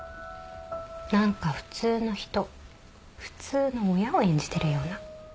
何か普通の人普通の親を演じてるような。